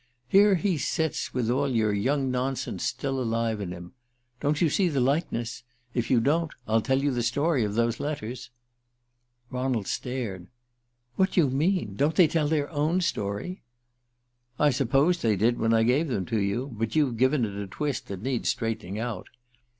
"Here he sits, with all your young nonsense still alive in him. Don't you see the likeness? If you don't, I'll tell you the story of those letters." Ronald stared. "What do you mean? Don't they tell their own story?" "I supposed they did when I gave them to you; but you've given it a twist that needs straightening out."